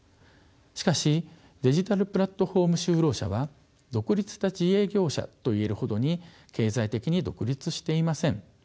しかしデジタルプラットフォーム就労者は独立した自営業者といえるほどに経済的に独立していません。